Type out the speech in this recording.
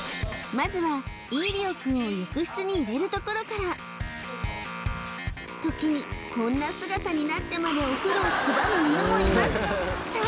まずはイーリオくんを浴室に入れるところから時にこんな姿になってまでお風呂を拒む犬もいますさあ